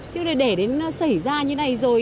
chứ để đến xảy ra như này rồi